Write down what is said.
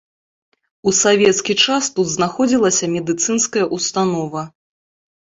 У савецкі час тут знаходзілася медыцынская ўстанова.